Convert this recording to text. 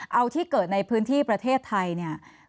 เอาที่เกิดในพื้นที่ประเทศไทยเนี่ย